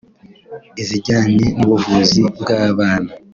izijyanye n’ubuvuzi bw’abana